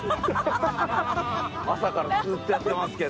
朝からずっとやってますけど。